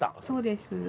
そうです。